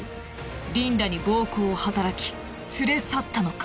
リンダに暴行を働き連れ去ったのか？